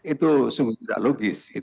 itu sungguh tidak logis